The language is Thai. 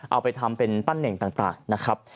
เอาไปทำเป็นปั้นเน่งต่างนะครับ